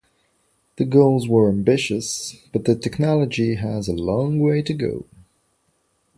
The goals were ambitious, but the technology has a long way to go.